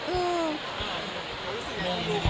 อืม